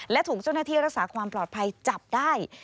และถูกเจ้าหน้าที่รักษาความปลอดภัยจับได้